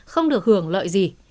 không được hưởng lợi gì